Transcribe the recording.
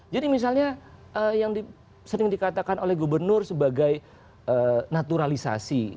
jadi misalnya yang sering dikatakan oleh gubernur sebagai naturalisasi